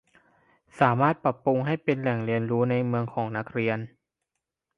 สามารถปรับปรุงให้เป็นแหล่งเรียนรู้ในเมืองของนักเรียน